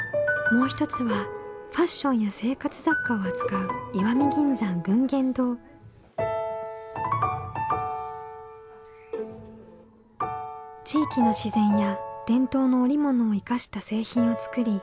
もう一つはファッションや生活雑貨を扱う地域の自然や伝統の織物を生かした製品を作り